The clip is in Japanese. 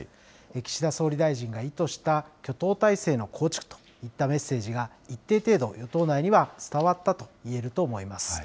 岸田総理大臣が意図した、挙党態勢の構築といったメッセージが一定程度与党内には伝わったといえると思います。